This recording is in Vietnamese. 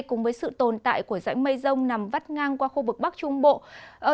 cùng với sự tồn tại của dãy mây rông nằm vắt ngang qua khu vực bắc trung bộ